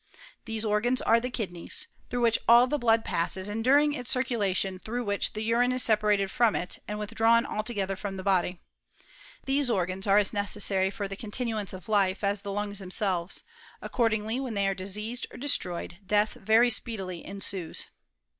These organs are the kidneys; through which all the blood passes, and during its circulation through which the urine is separated from it and withdrawn altogether from the body. These organs are as necessary for the 324 HISTORY O? CHEMISTft*!" I e of life as the lungs themselves; accoid ingly, when they are diseased or destroyed, death very speedily ensues.